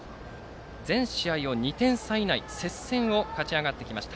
全試合を２点差以内接戦を勝ち上がってきました。